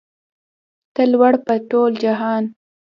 ته لوړ په ټول جهان